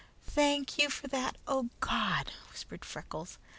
"Thank You for that, oh God!" whispered Freckles.